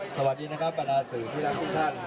สวัสดีนะครับบรรดาสื่อที่รักทุกท่าน